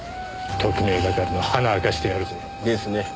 特命係の鼻明かしてやるぞ。ですね。